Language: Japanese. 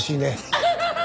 アハハハッ！